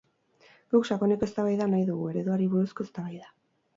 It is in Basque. Guk sakoneko eztabaida nahi dugu, ereduari buruzko eztabaida.